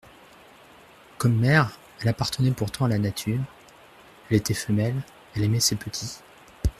Comme mère, elle appartenait pourtant à la nature, elle était femelle, elle aimait ses petits.